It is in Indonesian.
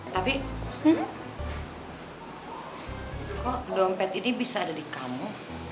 tapi kok dompet ini bisa ada di kamu